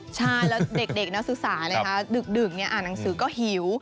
ใช่แล้วเด็กนักศึกษานะคะดึกอ่านหนังสือก็หิว